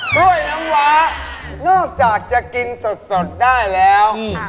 กล้วยน้ำว้านอกจากจะกินสดได้แล้ว